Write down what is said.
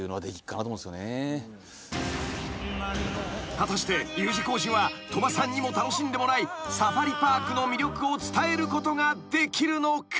［果たしてＵ字工事は鳥羽さんにも楽しんでもらいサファリパークの魅力を伝えることができるのか？］